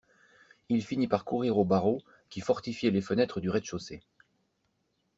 Il finit par courir aux barreaux qui fortifiaient les fenêtres du rez-de-chaussée.